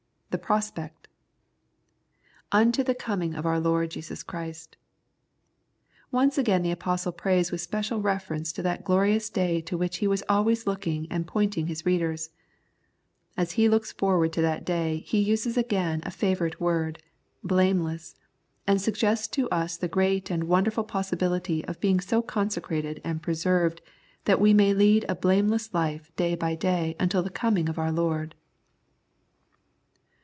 3. The Prospect. " Unto the coming of our Lord Jesus Christ." Once again the Apostle prays with special reference to that glorious day to which he was always looking and pointing his readers. As he looks forward to that day he uses again a favourite word, " blameless," and suggests to us the great and wonderful possibility of being so consecrated and pre served that we may lead a blameless life day by day until the coming of our Lord.